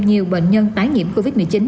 nhiều bệnh nhân tái nhiễm covid một mươi chín